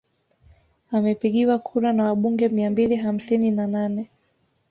Amepigiwa kura na wabunge mia mbili hamsini na nane